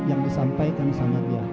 yang disampaikan sama dia